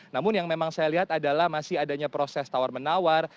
namun yang memang saya lihat adalah masih adanya proses tawar menawar